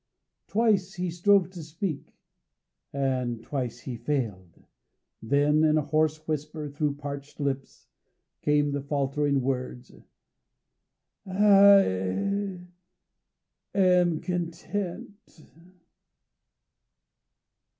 Twice he strove to speak, and twice he failed. Then, in a hoarse whisper through the parched lips, came the faltering words: "I am content."